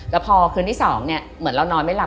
แล้วพอคืนที่๒เนี่ยเหมือนเรานอนไม่หลับ